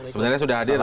sebenarnya sudah hadir